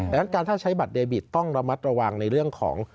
ดังนั้นการถ้าใช้บัตรเดบิตต้องระมัดระวังในเรื่องของ